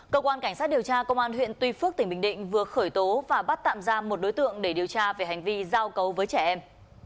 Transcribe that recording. cơ quan cảnh sát điều tra công an huyện tuy phước tỉnh bình định vừa khởi tố và bắt tạm giam một đối tượng để điều tra về hành vi giao cấu với trẻ em